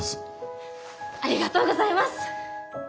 ありがとうございます。